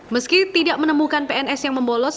meski tidak menemukan pns yang membolos